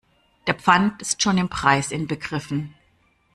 Der Pfand ist schon im Preis inbegriffen.